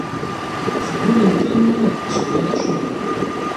Sgullent-iyi ur d-ttiniɣ acemma.